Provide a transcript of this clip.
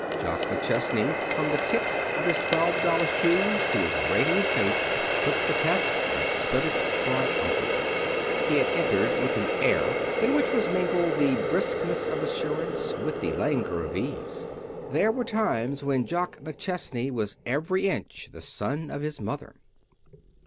Jock McChesney, from the tips of his twelve dollar shoes to his radiant face, took the test and stood it triumphantly. He had entered with an air in which was mingled the briskness of assurance with the languor of ease. There were times when Jock McChesney was every inch the son of his mother.